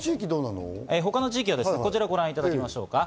他の地域はこちらをご覧いただきましょう。